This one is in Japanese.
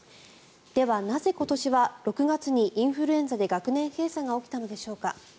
では、なぜ今年は６月にインフルエンザで学年閉鎖が起きたのでしょうか。